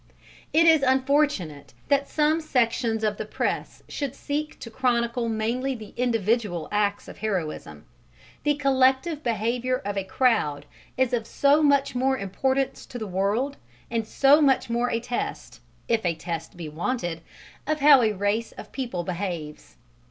It is unfortunate that some sections of the press should seek to chronicle mainly the individual acts of heroism: the collective behaviour of a crowd is of so much more importance to the world and so much more a test if a test be wanted of how a race of people behaves.